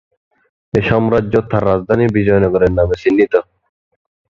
এই সাম্রাজ্য তার রাজধানী বিজয়নগরের নামে চিহ্নিত।